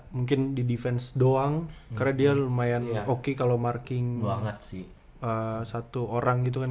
mungkin di defense doang karena dia lumayan oke kalo marking satu orang gitu kan